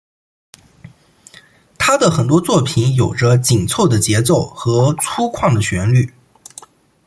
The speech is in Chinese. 他的很多作品有着紧凑的节奏和粗犷的旋律。